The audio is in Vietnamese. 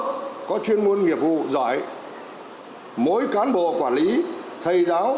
chủ tịch nước có chuyên môn nghiệp vụ giỏi mỗi cán bộ quản lý thầy giáo